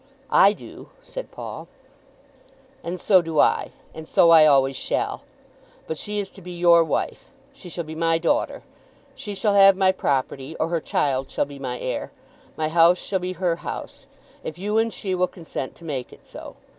"I do," said Paul. "And so do I; and so I always shall. But she is to be your wife. She shall be my daughter. She shall have my property, or her child shall be my heir. My house shall be her house, if you and she will consent to make it so.